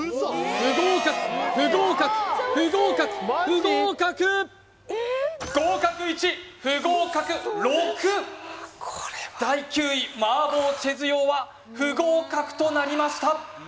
不合格不合格不合格不合格第９位麻婆茄子用は不合格となりました